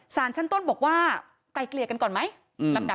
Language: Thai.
สารชั้นต้นบอกว่าไกลเกลี่ยกันก่อนไหม